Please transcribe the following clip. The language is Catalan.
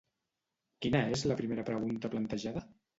Quina és la primera pregunta plantejada?